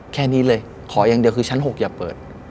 แค่นี้เลยขออย่างเดียวคือชั้น๖อย่าเปิด